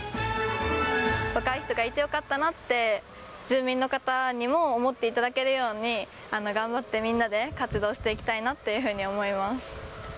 若い人がいてよかったなって、住民の方にも思っていただけるように、がんばってみんなで活動していきたいなっていうふうに思います。